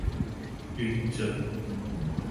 暈針